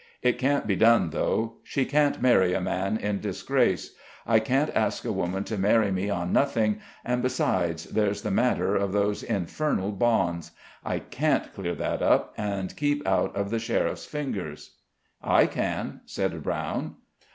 It can't be done, though; she can't marry a man in disgrace I can't ask a woman to marry me on nothing; and, besides, there's the matter of those infernal bonds. I can't clear that up, and keep out of the sheriff's fingers." "I can," said Brown.